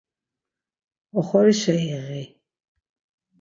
Oxorişe iği.